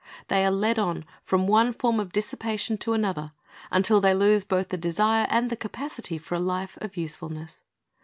They are led on from one form of dissipation to another, until they lose both the desire and the capacity for a life of usefulness.